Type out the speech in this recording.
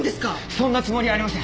そんなつもりありません。